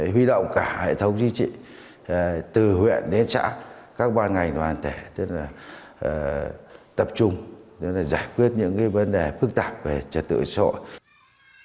huy động cả hệ thống chính trị từ huyện đến xã các ban ngành đoàn thể tức là tập trung giải quyết những vấn đề phức tạp về trật tự xã hội